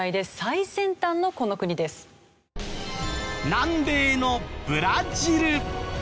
南米のブラジル。